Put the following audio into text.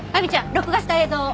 録画した映像を。